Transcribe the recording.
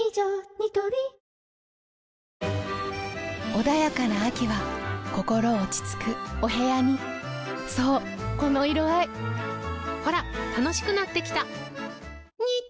ニトリ穏やかな秋は心落ち着くお部屋にそうこの色合いほら楽しくなってきた！